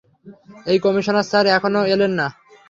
এই commissioner sir এখনো এলেন না।